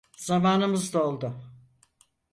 Zamanımız doldu.